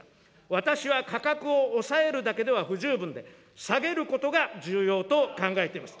私は、価格を抑えるだけでは不十分で、下げることが重要と考えています。